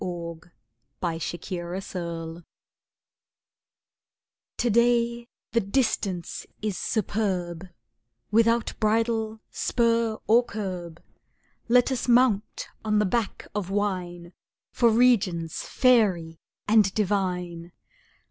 The Wine of Lovers To day the Distance is superb, Without bridle, spur or curb, Let us mount on the back of wine For Regions fairy and divine!